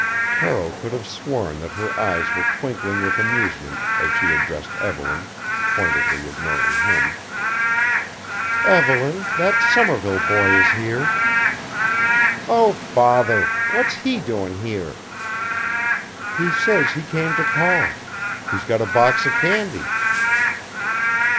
Carroll could have sworn that her eyes were twinkling with amusement as she addressed Evelyn pointedly ignoring him. "Evelyn that Somerville boy is here." "Oh! bother! What's he doin' here?" "He says he came to call. He's got a box of candy."